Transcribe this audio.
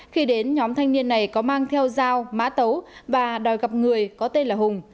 khi đến nhóm thanh niên này có mang theo dao mã tấu và đòi gặp người có tên là hùng